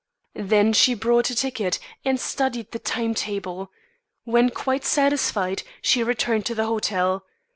Then she bought a ticket, and studied the time table. When quite satisfied, she returned to the hotel.